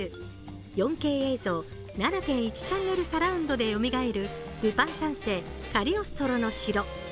４Ｋ映像、７．１ｃｈサラウンドでよみがえる「ルパン三世カリオストロの城」